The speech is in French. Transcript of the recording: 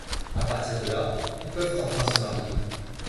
À partir de là, ils peuvent enfin se marier.